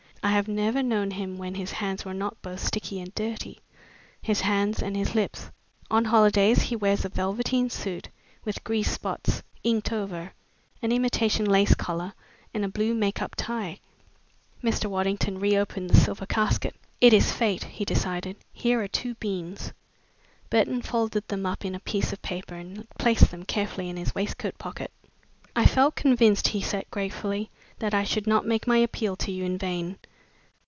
I have never known him when his hands were not both sticky and dirty his hands and his lips. On holidays he wears a velveteen suit with grease spots inked over, an imitation lace collar, and a blue make up tie." Mr. Waddington re opened the silver casket. "It is Fate," he decided. "Here are two beans." Burton folded them up in a piece of paper and placed them carefully in his waistcoat pocket. "I felt convinced," he said gratefully, "that I should not make my appeal to you in vain.